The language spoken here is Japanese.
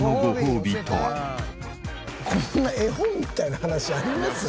こんな絵本みたいな話あります？